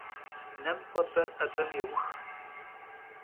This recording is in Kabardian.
Nem f'eber 'ebem yêux.